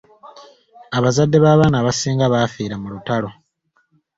Abazadde b’abaana abasinga baafiira mu lutalo.